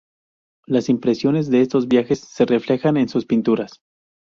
Las impresiones de estos viajes se reflejan en sus pinturas.